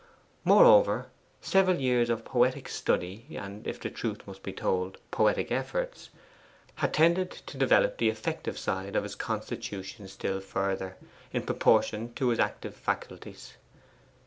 Moreover, several years of poetic study, and, if the truth must be told, poetic efforts, had tended to develop the affective side of his constitution still further, in proportion to his active faculties.